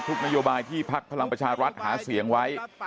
นโยบายที่พักพลังประชารัฐหาเสียงไว้